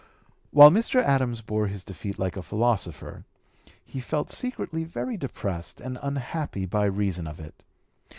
While Mr. Adams bore his defeat like a philosopher, he felt secretly very depressed and unhappy by reason of it.